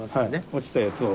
落ちたやつを。